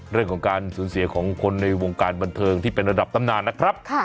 เรื่องของการสูญเสียของคนในวงการบันเทิงที่เป็นระดับตำนานนะครับ